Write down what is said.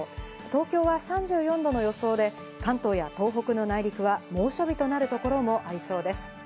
東京は３４度の予想で、関東や東北の内陸は猛暑日となる所もありそうです。